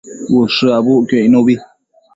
Ushë abucquio icnubi